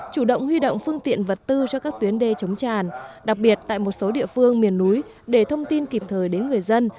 chủ động huy động phương tiện vật tư cho các tuyến đê chống tràn đặc biệt tại một số địa phương miền núi để thông tin kịp thời đến người dân